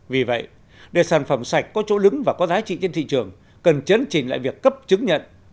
vì vậy để sản phẩm sạch có chỗ đứng và có giá trị trên thị trường cần chấn trình lại việc cấp chứng nhận